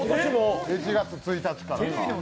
１月１日から。